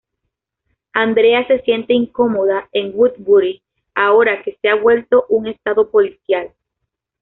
Andrea se siente incomoda en Woodbury ahora que se ha vuelto un estado policial.